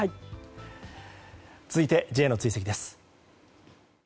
続いてＪの追跡です。